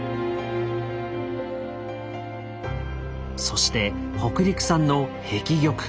そして北陸産の碧玉。